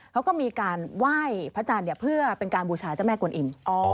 เขาก็มีการไหว้พระจันทร์เพื่อเป็นการบูชาเจ้าแม่กวนอิ่ม